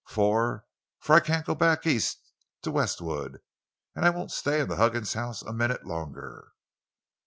For—for—I can't go back East—to Westwood, and I won't stay in the Huggins house a minute longer!"